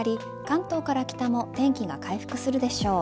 関東から北も天気が回復するでしょう。